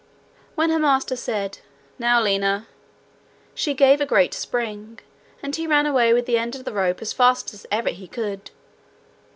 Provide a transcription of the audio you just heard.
When her master said, 'Now, Lina!' she gave a great spring, and he ran away with the end of the rope as fast as ever he could.